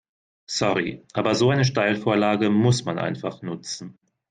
Sorry, aber so eine Steilvorlage muss man einfach nutzen.